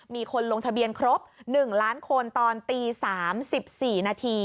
มีคนลงทะเบียนครบ๑ล้านคนตอนตี๓๔นาที